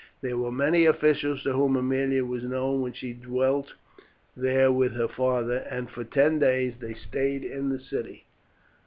There were many officials to whom Aemilia was known when she dwelt there with her father, and for ten days they stayed in the city.